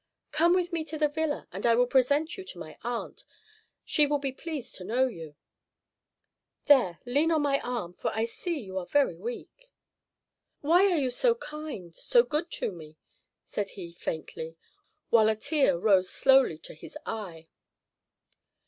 "Come with me to the villa, and I will present you to my aunt; she will be pleased to know you. There, lean on my arm, for I see you are very weak." "Why are you so kind, so good to me?" said he, faintly, while a tear rose slowly to his eye.